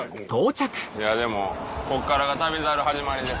いやでもこっからが『旅猿』始まりです